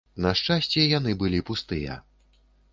На шчасце, яны былі пустыя.